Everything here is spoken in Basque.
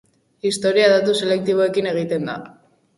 Historia datu selektiboekin egiten da.